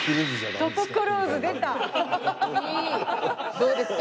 どうですか？